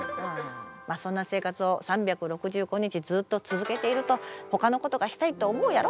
まあそんな生活を３６５日ずっと続けているとほかのことがしたいって思うやろ？